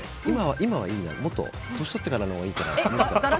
今はいいなってもっと年取ってからのほうがいいかなって。